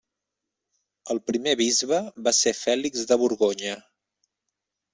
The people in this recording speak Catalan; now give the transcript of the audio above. El primer bisbe va ser Fèlix de Borgonya.